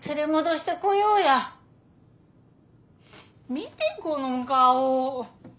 見てこの顔。